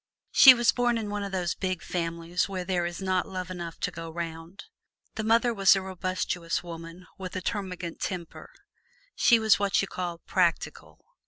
She was born into one of those big families where there is not love enough to go 'round. The mother was a robustious woman with a termagant temper; she was what you call "practical."